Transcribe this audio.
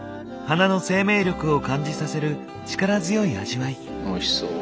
花の生命力を感じさせる力強い味わい。